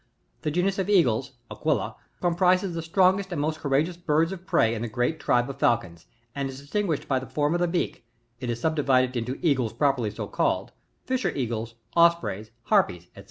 39. The genus of Eagles, — d^^rtit'/n, . comprises the strongest and most courageous birds of prey of the great tribe of Falcons, . and is distinguished by the form of the beak; it is sub divided into Eagles properly so called, Fisher Eagles, Ospreys, Harpies, &c.